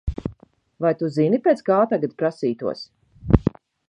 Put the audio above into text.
Vai tu zini pēc kā tagad prasītos?